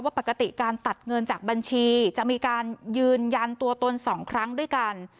ปกติการตัดเงินจากบัญชีจะมีการยืนยันตัวตน๒ครั้งด้วยกัน